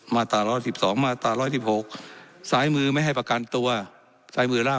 มาตราร้อยสิบสองมาตราร้อยสิบหกสายมือไม่ให้ประกันตัวสายมือล่า